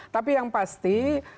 tapi yang pasti